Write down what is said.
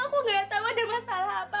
aku nggak tahu ada masalah apa